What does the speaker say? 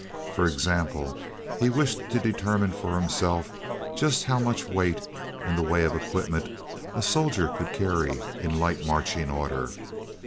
For example, he wished to determine for himself just how much weight, in the way of equipment, a soldier could carry in light marching order.